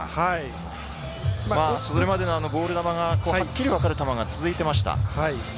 それまでのボール球がはっきり分かる球が続いていました。